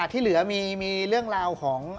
ที่เหลือมีเรื่องราวของ